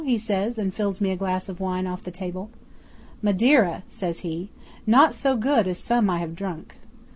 he says, and fills me a glass of wine off the table. '"Madeira," says he. "Not so good as some I have drunk."